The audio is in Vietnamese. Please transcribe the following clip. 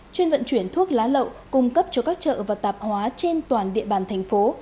chuyên vận chuyển thuốc lá lậu cung cấp cho các chợ và tạp hóa trên toàn địa bàn thành phố